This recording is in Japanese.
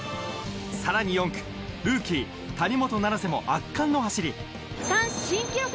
さらに４区ルーキー・谷本七星も圧巻の走り。